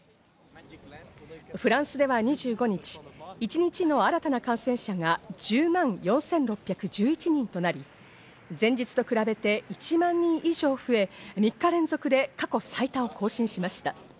フランスでは２５日、一日の新たな感染者が１０万４６１１人となり、前日と比べて、１万人以上増え、３日連続で過去最多を更新しました。